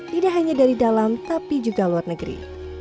tidak hanya dari dalam tapi juga luar negeri